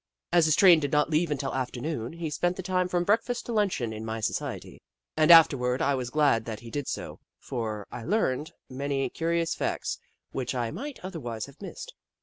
As his train did not leave until afternoon, he spent the time from breakfast to luncheon in my society, and afterward I was glad that he did so, for I learned many curious facts which I misfht otherwise have missed.